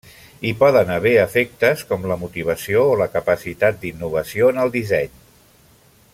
Hi poden haver efectes com la motivació o la capacitat d'innovació en el disseny.